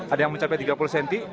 ada yang mencapai tiga puluh cm